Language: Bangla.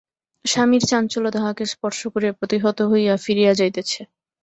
স্বামীর চাঞ্চল্য তাহাকে স্পর্শ করিয়া প্রতিহত হইয়া ফিরিয়া যাইতেছে।